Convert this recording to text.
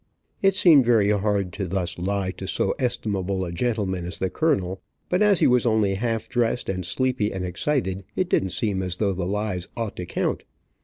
It seemed very hard to thus lie to so estimable a gentleman as the colonel, but as he was only half dressed, and sleepy, and excited, it didn't seem as though the lies ought to count.